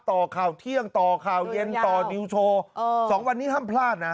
ต่อข่าวเที่ยงต่อข่าวเย็นต่อนิวโชว์๒วันนี้ห้ามพลาดนะ